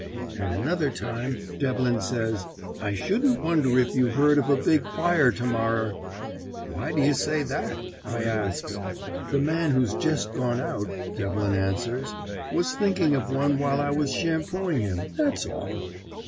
At another time Devlin says, "I shouldn't wonder if you heard of a big fire to morrer." "Why do you say that?" I asks. "The man who's jest gone out," Devlin answers, "was thinking of one while I was shampooing him that's all."